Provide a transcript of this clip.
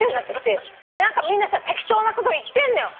みんな適当なこと言ってんのよ。